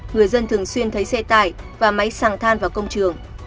người dân thường xuyên thấy xe tải và máy sàng than vào công trường